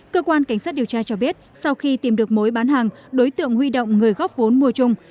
cơ quan cảnh sát điều tra cho biết sau khi tìm được mối bán hàng đối tượng huy động người góp vốn mua chung